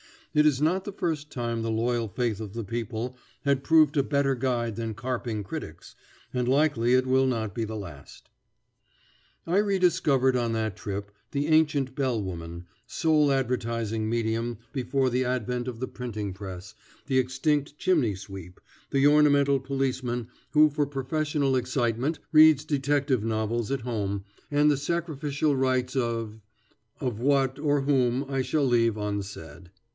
It is not the first time the loyal faith of the people has proved a better guide than carping critics, and likely it will not be the last. [Illustration: "Horse meat to day!" ] I rediscovered on that trip the ancient bellwoman, sole advertising medium before the advent of the printing press, the extinct chimney sweep, the ornamental policeman who for professional excitement reads detective novels at home, and the sacrificial rites of of what or whom I shall leave unsaid.